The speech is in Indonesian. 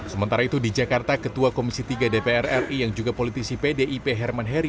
sementara itu di jakarta ketua komisi tiga dpr ri yang juga politisi pdip herman heri